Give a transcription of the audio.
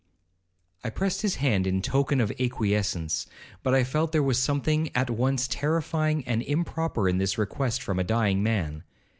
I pressed his hand in token of acquiescence. But I felt there was something at once terrifying and improper in this request from a dying man.